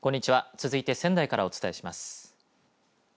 続いて仙台からお伝えします。